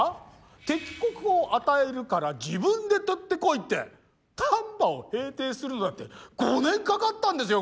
敵国を与えるから自分で取ってこいって丹波を平定するのだって５年かかったんですよ